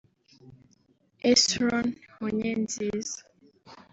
Esron Munyenziza